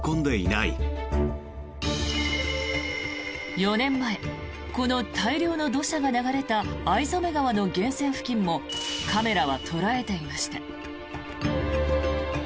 ４年前この大量の土砂が流れた逢初川の源泉付近もカメラは捉えていました。